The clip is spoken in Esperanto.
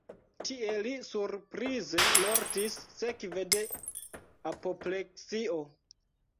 Tie li surprize mortis sekve de apopleksio.